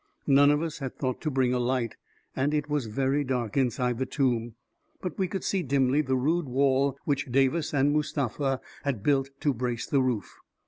None of us had thought to bring a light, and it was very dark in side the tomb, but we could see dimly the rude wall which Davis and Mustafa had built to brace the roof.